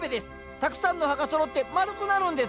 たくさんの葉がそろって丸くなるんです。